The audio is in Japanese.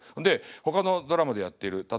でほかのドラマでやってる